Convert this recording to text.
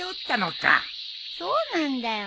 そうなんだよ。